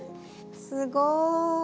すごい。